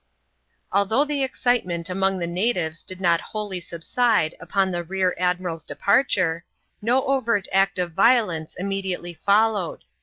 Although the excitement among the natives did not wholly subside upon the rear admiral's departure, no overt act of yiolence immediately followed.